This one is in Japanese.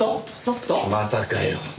またかよ。